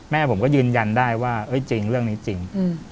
แม่ผมก็ยืนยันได้ว่าจริงเรื่องนี้จริง